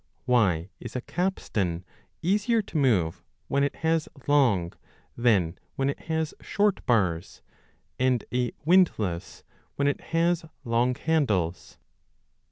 Why is a capstan easier to move when it has long than when it has short bars, and a windlass when it has long handles